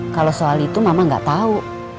kalau soal itu mama nggak tahu